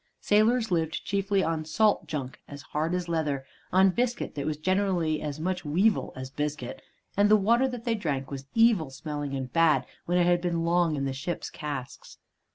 Sailors lived chiefly on salt junk, as hard as leather, on biscuit that was generally as much weevil as biscuit, and the water that they drank was evil smelling and bad when it had been long in the ship's casks.